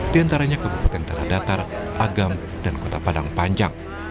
di antaranya kabupaten tanah datar agam dan kota padang panjang